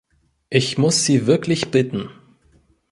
Ich muss Sie wirklich bitten.